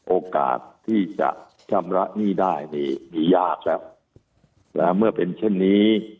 โอกาสที่จะชำระหนี้ได้นี่มียากแล้วเมื่อเป็นเช่นนี้